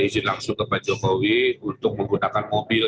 saya juga minta isi langsung kepada jokowi untuk menggunakan mobil